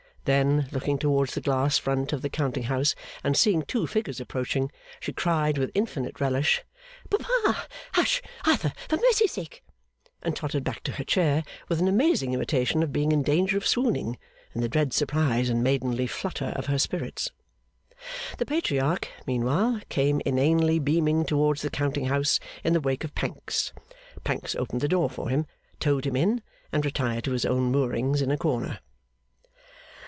Then, looking towards the glass front of the counting house, and seeing two figures approaching, she cried with infinite relish, 'Papa! Hush, Arthur, for Mercy's sake!' and tottered back to her chair with an amazing imitation of being in danger of swooning, in the dread surprise and maidenly flutter of her spirits. The Patriarch, meanwhile, came inanely beaming towards the counting house in the wake of Pancks. Pancks opened the door for him, towed him in, and retired to his own moorings in a corner.